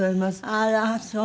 あらそう！